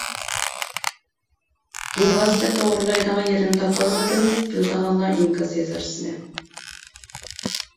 بىۋاسىتە توغرىلايدىغان يېرىنى تاپالمىدىم، بىلىدىغانلار ئىنكاس يازارسىلەر.